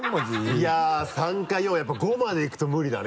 いやぁ３か４やっぱ５までいくと無理だね。